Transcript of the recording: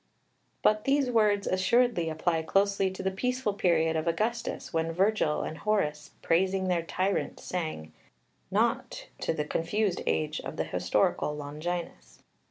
But these words assuredly apply closely to the peaceful period of Augustus, when Virgil and Horace "praising their tyrant sang," not to the confused age of the historical Longinus.